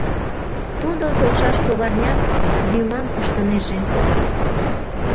Тудо толшаш кугарнян вӱмам ыштынеже.